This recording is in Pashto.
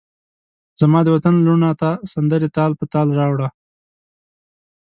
زمادوطن لوڼوته سندرې تال په تال راوړه